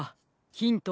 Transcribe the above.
ヒントは。